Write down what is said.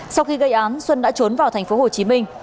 sau khi gây án xuân đã trốn vào tp hồ chí minh